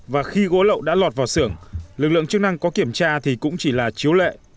và khi gỗ lậu đã lọt vào xưởng lực lượng chức năng có kiểm tra thì cũng chỉ là chiếu lệ